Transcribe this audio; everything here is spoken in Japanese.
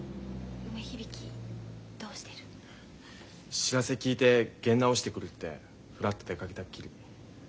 知らせ聞いて験直してくるってフラッと出かけたっきり。